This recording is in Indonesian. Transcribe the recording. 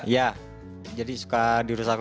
ya jadi suka dirusakkan